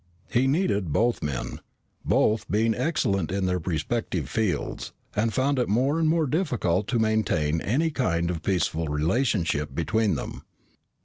He needed both men, both being excellent in their respective fields, and found it more and more difficult to maintain any kind of peaceful relationship between them.